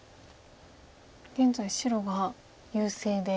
現在白が優勢で。